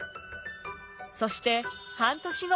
そして半年後。